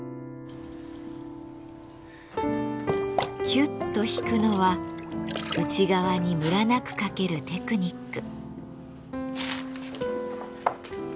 キュッと引くのは内側にむらなくかけるテクニック。